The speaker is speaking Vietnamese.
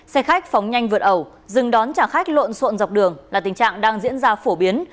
xe khách phóng nhanh vượt ẩu dừng đón trả khách lộn xộn dọc đường là tình trạng đang diễn ra phổ biến